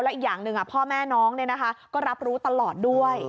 อีกอย่างหนึ่งพ่อแม่น้องก็รับรู้ตลอดด้วย